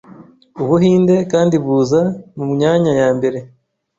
Ubuhinde kandi buza mu myanya ya mbere